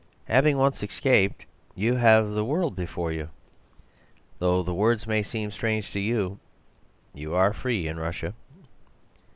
Having once escaped, you have the world before you. Though the words may seem strange to you, you are free in Russia.